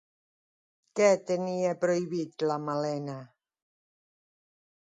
Què tenia prohibit la Malena?